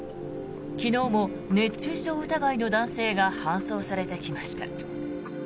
昨日も熱中症疑いの男性が搬送されてきました。